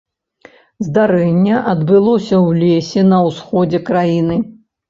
Здарэнне адбылося ў лесе на ўсходзе краіны.